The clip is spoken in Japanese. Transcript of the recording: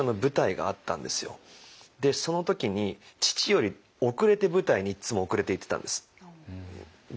でその時に父より遅れて舞台にいつも遅れて行ってたんです。